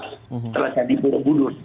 setelah saya di burung budul